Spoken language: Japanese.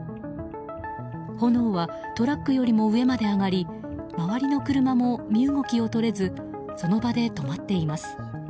炎はトラックよりも上まで上がり周りの車も身動きをとれずその場で止まっています。